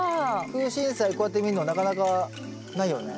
クウシンサイこうやって見るのはなかなかないよね。